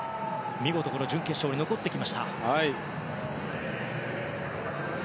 見事準決勝に残ってきました。